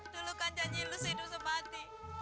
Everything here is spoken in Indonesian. dulu kan janji lu hidup semati